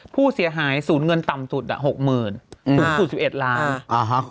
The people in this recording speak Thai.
ผู้เสียหายสูตรเงินต่ำสุด๖๕๐๐๐๐ต่อสูตรสิบเอ็ดล้าน